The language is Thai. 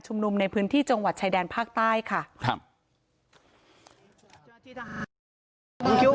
โจมตีรัฐบาล